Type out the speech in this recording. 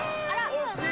惜しい！